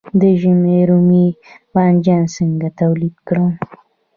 د ژمي رومي بانجان څنګه تولید کړم؟